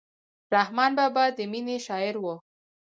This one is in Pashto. رحمان بابا د مینې شاعر و.